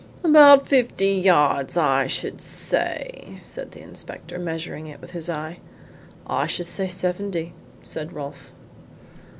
"About fifty yards, I should say," said the inspector, measuring it with his eye. "I should say seventy," said Rolfe.